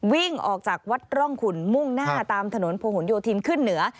วิ่งออกจากวัดร่องขุนมุ่งหน้าตามถนนโพหนโยธินขึ้นเหนือ